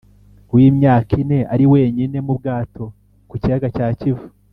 w’imyaka ine ari wenyine mu bwato ku kiyaga cya kivu